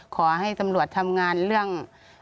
ขอให้ตำรวจทำงานเรื่อง